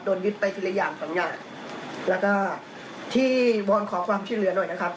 ยึดไปทีละอย่างสองอย่างแล้วก็ที่วอนขอความช่วยเหลือหน่อยนะครับ